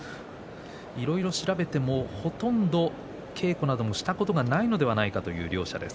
いろいろ調べても、ほとんど稽古などもしたことはないのではないかという両者です。